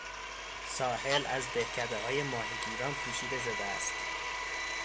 ساحل از دهکدههای ماهیگیران پوشیده شده است.